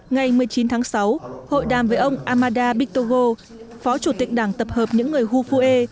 ngày một mươi chín tháng sáu hội đàm với ông amada bitogo phó chủ tịch đảng tập hợp những người hufuê